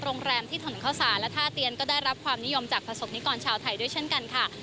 โรงแรมที่ถนนเข้าสารและท่าเตียนก็ได้รับความนิยมจากประสบนิกรชาวไทยด้วยเช่นกันค่ะ